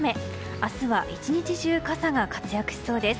明日は１日中傘が活躍しそうです。